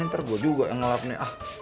ntar gue juga yang ngelap nih ah